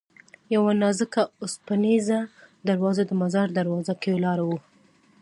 یوه نازکه اوسپنیزه دروازه د مزار دروازه کې ولاړه وه.